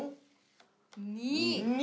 ２。